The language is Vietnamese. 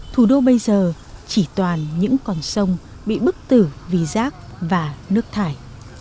thủ đô bây giờ chỉ toàn những con sông bị bức tử vì rác và nước thải